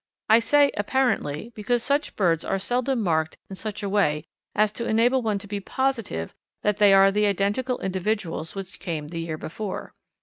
I say apparently because such birds are seldom marked in such a way as to enable one to be positive that they are the identical individuals which came the year before.